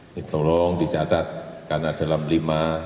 ini tolong dicatat karena dalam lima